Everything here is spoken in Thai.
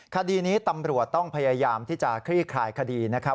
คดีนี้ตำรวจต้องพยายามที่จะคลี่คลายคดีนะครับ